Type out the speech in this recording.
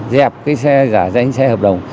dẹp cái xe giả danh xe hợp đồng